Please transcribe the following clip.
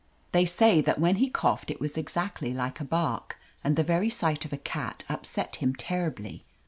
They say that when he coughed it was exactly like a bark, and the very sight of a cat upset him terribly.